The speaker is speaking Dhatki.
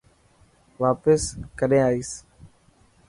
واپس ڪڏهن آئيس.